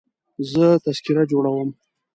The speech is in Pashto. زه تذکره جوړوم.